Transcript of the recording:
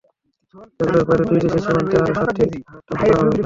এগুলোর বাইরেও দুই দেশের সীমান্তে আরও সাতটি হাট স্থাপন করা হবে।